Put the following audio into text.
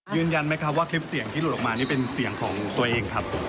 ยืนยันไหมครับว่าคลิปเสียงที่หลุดออกมานี่เป็นเสียงของตัวเองครับ